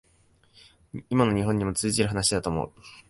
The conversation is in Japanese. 今の日本にも通じる話だと思う